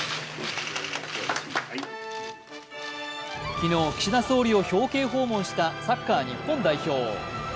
昨日、岸田総理を表敬訪問したサッカー日本代表。